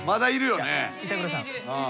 板倉さん。